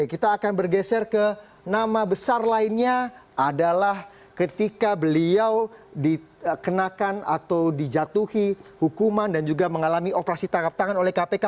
kita akan bergeser ke nama besar lainnya adalah ketika beliau dikenakan atau dijatuhi hukuman dan juga mengalami operasi tangkap tangan oleh kpk